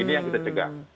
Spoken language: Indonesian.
ini yang kita cegah